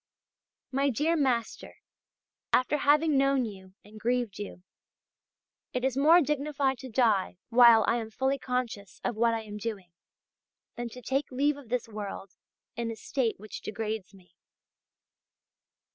'My dear master, after having known you and grieved you, it is more dignified to die while I am fully conscious of what I am doing, than to take leave of this world in a state which degrades me.